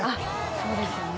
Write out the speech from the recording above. そうですよね。